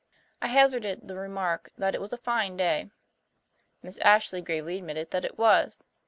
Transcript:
I hazarded the remark that it was a fine day; Miss Ashley gravely admitted that it was.